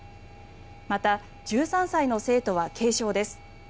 また１３歳の生徒は軽傷です。